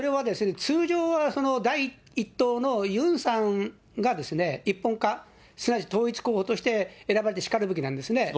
それはですね、通常は第１党のユンさんが一本化、すなわち統一候補として選ばれてしかるべきなんですね。